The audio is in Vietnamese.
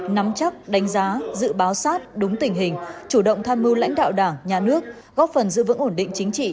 nắm chắc đánh giá dự báo sát đúng tình hình chủ động tham mưu lãnh đạo đảng nhà nước góp phần giữ vững ổn định chính trị